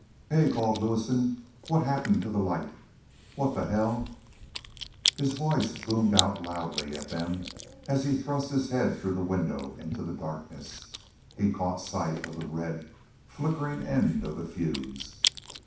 "Hey!" called Lewison. "What's happened to the light? What the hell " His voice boomed out loudly at them as he thrust his head through the window into the darkness. He caught sight of the red, flickering end of the fuse.